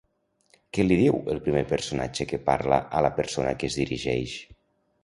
Què li diu el primer personatge que parla a la persona que es dirigeix?